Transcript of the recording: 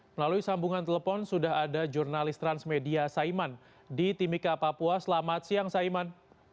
melalui sambungan telepon sudah ada jurnalis transmedia saiman di timika papua selamat siang saiman